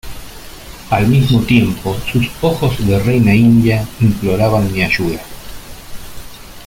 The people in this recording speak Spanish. al mismo tiempo sus ojos de reina india imploraban mi ayuda: